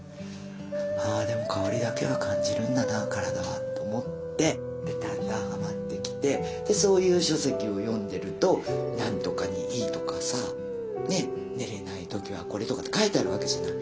「あでも香りだけは感じるんだな体は」と思ってでだんだんはまってきてそういう書籍を読んでるとなんとかにいいとかさ寝れない時はこれとか書いてあるわけじゃない。